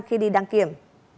khi đi đăng kiểm